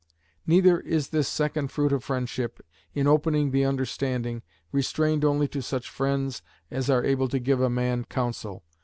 Neither is this second fruit of friendship, in opening the understanding, restrained only to such friends as are able to give a man counsel.